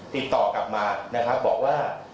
ติดต่อกลับมานะครับบอกว่า